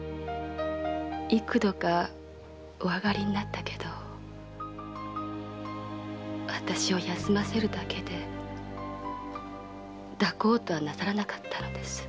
幾度かお上がりになったけど私を休ませるだけで抱こうとはなさらなかったのです。